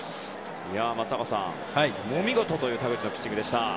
松坂さん、お見事という田口のピッチングでした。